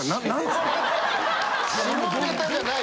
下ネタじゃない。